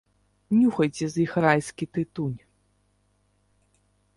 Нюхайце з іх райскі тытунь!